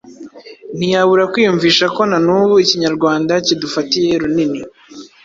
ntiyabura kwiyumvisha ko na n'ubu ikinyarwanda kidufatiye runini.